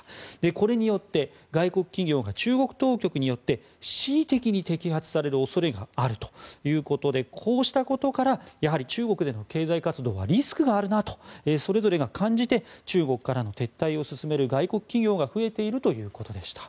これによって外国企業が中国当局によって恣意的に摘発される恐れがあるということでこうしたことから中国での経済活動がリスクがあるなとそれぞれが感じて中国からの撤退を進める外国企業が増えているということでした。